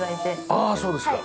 ああそうですか。